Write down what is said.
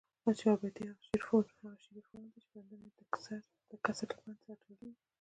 چاربیتې هغه شعري فورم دي، چي بندونه ئې دکسر له بند سره تړلي وي.